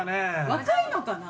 若いのかな？